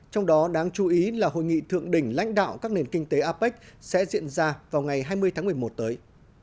trong đó đáng chú ý là hội nghị thượng đỉnh lãnh đạo các nền kinh tế apec sẽ diễn ra vào ngày hai mươi tháng một mươi một tới